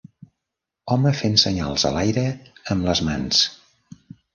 home fent senyals a l'aire amb les mans